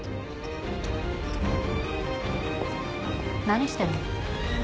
何してるの？